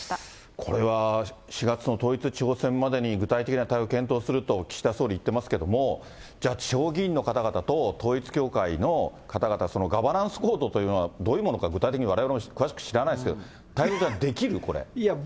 これは４月の統一地方選までに具体的な対応を検討すると岸田総理言ってますけれども、じゃ、地方議員の方々と統一教会の方々、ガバナンスコードというのがどういうものなのか、具体的にわれわれも詳しく知らないですけど、太蔵ちゃん、できる？